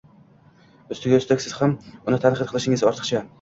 Ustiga ustak siz ham uni tanqid qilishingiz ortiqcha.